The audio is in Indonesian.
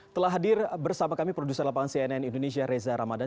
telah hadir bersama kami produser lapangan cnn indonesia reza ramadan